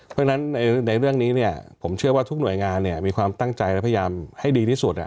เพราะฉะนั้นในเรื่องนี้ผมเชื่อว่าทุกหน่วยงานมีความตั้งใจและพยายามให้ดีที่สุด